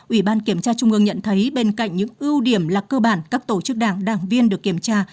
ủy ban kiểm tra trung ương nhận thấy bên cạnh những ưu điểm là cơ bản các tổ chức đảng đảng viên được kiểm tra